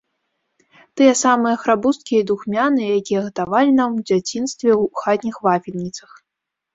Тыя самыя храбусткія і духмяныя, якія гатавалі нам у дзяцінстве ў хатніх вафельніцах.